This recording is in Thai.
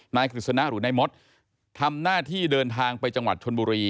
กฤษณะหรือนายมดทำหน้าที่เดินทางไปจังหวัดชนบุรี